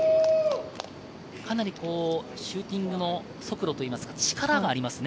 かなりシューティングの速度といいますか、力がありますね。